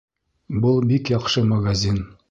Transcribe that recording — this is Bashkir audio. Был бик яҡшы магазин